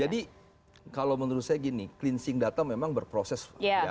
jadi kalau menurut saya gini cleansing data memang berproses